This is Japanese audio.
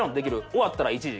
終わったら１時。